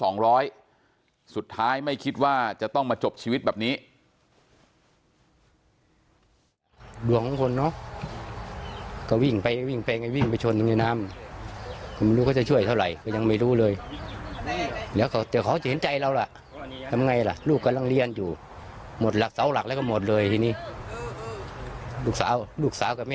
เนาะก็วิ่งไปวิ่งไปยังไงวิ่งไปชนทุกงานน้ำก็ไม่รู้เขาจะช่วยเท่าไหร่ก็ยังไม่รู้เลยเดี๋ยวเขามาเดี๋ยวเขาจะเห็นใจเราล่ะ